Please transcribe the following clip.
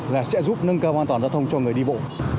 là sẽ giúp nâng cao an toàn giao thông cho người đi bộ